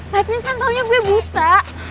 might missin taunya gue buta